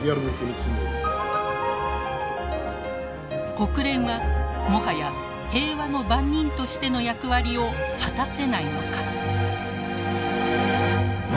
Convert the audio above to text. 国連はもはや平和の番人としての役割を果たせないのか。